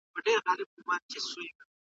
بهرنی سیاست د انګریزانو په لاس کي شو.